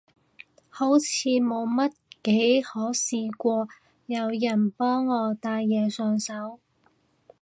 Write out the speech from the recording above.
好似冇乜幾可試過有人幫我戴嘢上手